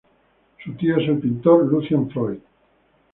Su tío es el pintor "Lucian Freud".